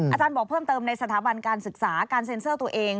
อาจารย์บอกเพิ่มเติมในสถาบันการศึกษาการเซ็นเซอร์ตัวเอง